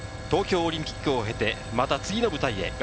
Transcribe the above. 東京オリンピックを経てまた次の舞台へ。